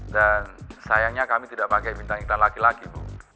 dan sayangnya kami tidak pakai bintang iklan laki laki bu